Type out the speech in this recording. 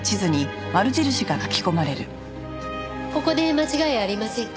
ここで間違いありませんか？